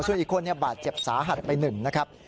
ส่วนอีกคนบาดเจ็บสาหัสไป๑นะครับ